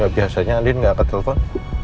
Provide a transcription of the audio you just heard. ya biasanya andien gak akan telfon